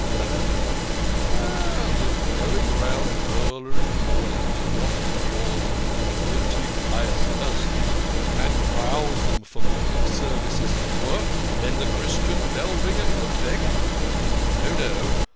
"York?" " Well, if going round early in the morning to knock at the doors of twenty pious persons, and rouse them for morning service, isn't work, then the Christian bell ringer is a beggar. No, no